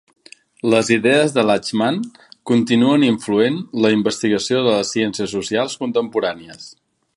Les idees de Lachmann continuen influent la investigació de les ciències socials contemporànies.